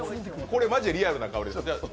これマジ、リアルな香り。